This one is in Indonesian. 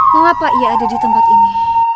mengapa ia ada di tempat ini